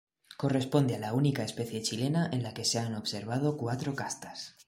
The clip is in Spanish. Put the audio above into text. Corresponde a la única especie chilena en la que se han observado cuatro castas.